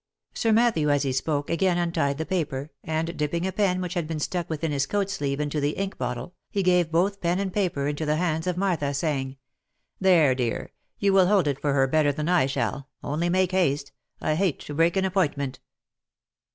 Sir Matthew as he spoke, again untied the paper, and dipping a pen which had been stuck within his coat sleeve into the ink bottle, he gave both pen and paper into the hands of Martha, saying, "There dear, you will hold it for her better than I shall — only make haste !— I hate to break an appointment."